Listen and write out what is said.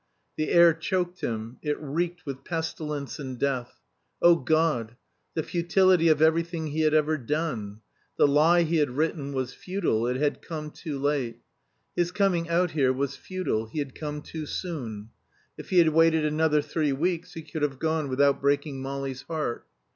The air choked him; it reeked with pestilence and death. O God! the futility of everything he had ever done! The lie he had written was futile; it had come too late. His coming out here was futile; he had come too soon. If he had waited another three weeks he could have gone without breaking Molly's heart.